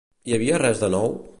Hi havia res de nou?